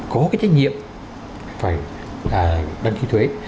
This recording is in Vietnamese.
có cái trách nhiệm phải đăng ký thuế